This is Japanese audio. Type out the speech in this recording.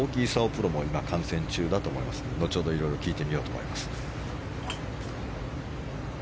プロも観戦中だと思いますので後ほど、いろいろ聞いてみようと思います。